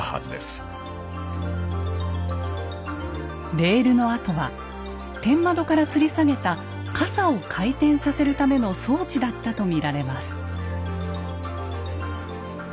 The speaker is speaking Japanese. レールの跡は天窓からつり下げたカサを回転させるための装置だったと見られます。